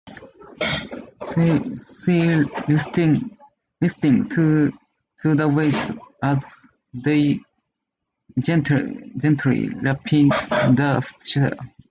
She listened to the waves as they gently lapped the shore.